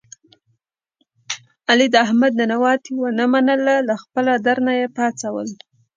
علي د احمد ننواتې و نه منله له خپل در نه یې پا څول.